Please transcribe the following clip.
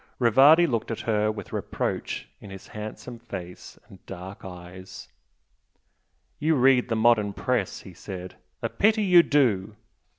Rivardi looked at her with reproach in his handsome face and dark eyes. "You read the modern Press" he said "A pity you do!"